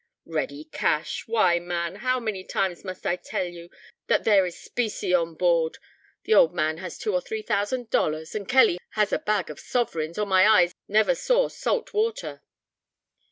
"Ready cash! why, man, how many times must I tell you that there is specie on board? the old man has two or three thousand dollars, and Kelly has a bag of sovereigns, or my eyes never saw salt water."